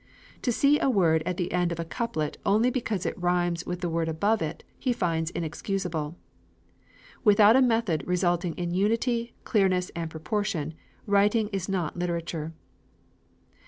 To see a word at the end of a couplet only because it rhymes with the word above it, he finds inexcusable. Without a method resulting in unity, clearness, and proportion, writing is not literature.